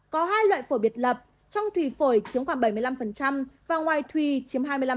có hai loại phổi biệt lập trong thủy phổi chiếm khoảng bảy mươi năm và ngoài thủy chiếm hai mươi năm